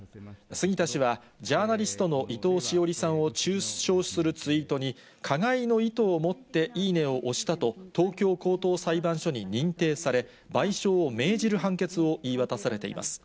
杉田氏はジャーナリストの伊藤詩織さんを中傷するツイートに、加害の意図をもっていいねを押したと、東京高等裁判所に認定され、賠償を命じる判決を言い渡されています。